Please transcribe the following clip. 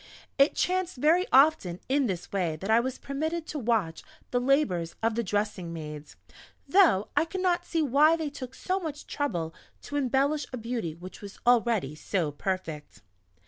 It chanced very often in this way that I was permitted to watch the labours of the dressing maids (though I could not see why they took so much trouble to embellish a beauty which was already so perfect).